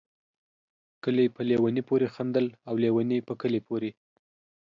کلي په ليوني پوري خندل ، او ليوني په کلي پوري